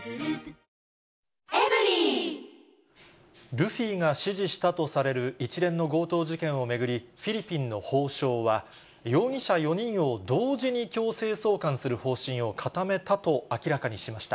ルフィが指示したとされる一連の強盗事件を巡り、フィリピンの法相は、容疑者４人を、同時に強制送還する方針を固めたと明らかにしました。